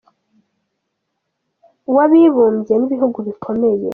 w’abibumbye n’ibihugu bikomeye.